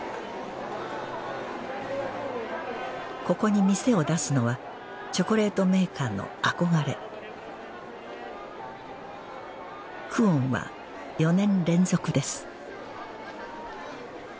ここに店を出すのはチョコレートメーカーの憧れ「久遠」は４年連続です